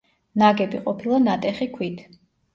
ნაგები ყოფილა ნატეხი ქვით.